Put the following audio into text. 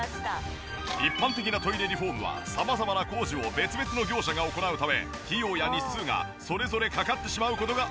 一般的なトイレリフォームは様々な工事を別々の業者が行うため費用や日数がそれぞれかかってしまう事が多い。